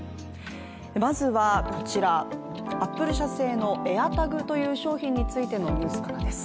まずはこちら、アップル社製のＡｉｒＴａｇという商品についてのニュースからです。